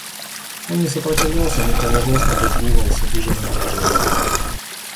Он не сопротивлялся, но продолжал смотреть в угол с обиженным выражением.